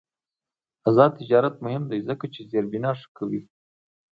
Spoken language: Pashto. آزاد تجارت مهم دی ځکه چې زیربنا ښه کوي.